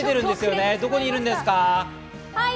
どこにいるんですか？